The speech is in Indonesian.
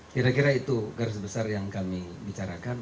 kira kira itu garis besar yang kami bicarakan